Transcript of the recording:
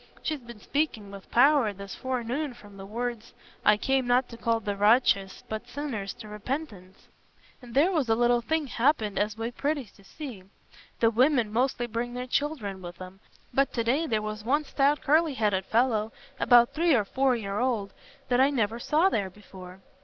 She's been speaking with power this forenoon from the words, 'I came not to call the righteous, but sinners to repentance.' And there was a little thing happened as was pretty to see. The women mostly bring their children with 'em, but to day there was one stout curly headed fellow about three or four year old, that I never saw there before.